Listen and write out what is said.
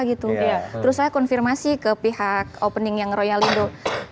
gitu terus konfirmasi ke pihak opening yang royaup